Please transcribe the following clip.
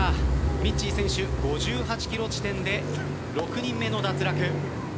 みっちー選手、５８ｋｍ地点で６人目の脱落。